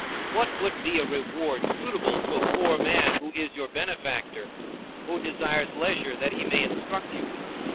What would be a reward suitable to a poor man who is your benefactor, who desires leisure that he may instruct you?